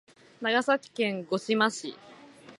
長崎県五島市